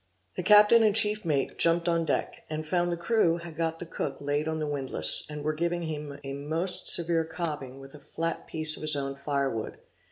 The captain and chief mate jumped on deck, and found the crew had got the cook laid on the windlass, and were giving him a most severe cobbing with a flat piece of his own fire wood.